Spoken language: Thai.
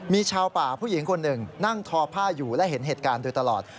มีชาวป่าผู้หญิงคนหนึ่งนั่งทอผ้าอยู่และเห็นเหตุการณ์โดยตลอด